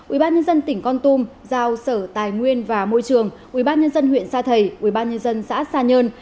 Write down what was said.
ubnd tỉnh con tum giao sở tài nguyên và môi trường ubnd huyện sa thầy ubnd xã sa nhơn